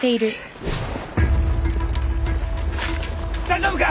大丈夫か！？